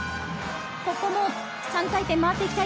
ここも３回転、回っていきたい。